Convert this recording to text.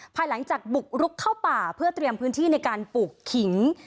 ภายหลังจากบุกรุกเข้าป่าเพื่อเตรียมพื้นที่ในการปลูกขิง